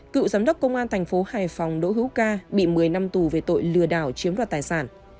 cựu giám đốc công an thành phố hải phòng đỗ hữu ca bị một mươi năm tù về tội lừa đảo chiếm đoạt tài sản